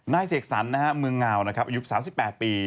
นายเสกสรรมึงงาวอายุ๓๘ปี